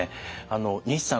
西さん